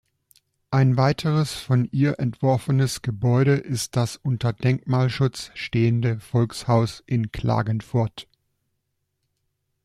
Ein weiteres von ihr entworfenes Gebäude ist das unter Denkmalschutz stehende Volkshaus in Klagenfurt.